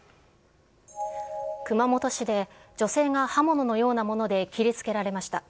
熊本市で女性が刃物のようなもので切りつけられました。